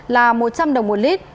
là một trăm linh đồng một lit